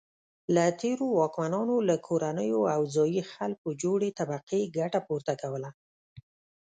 له تېرو واکمنانو له کورنیو او ځايي خلکو جوړې طبقې ګټه پورته کوله.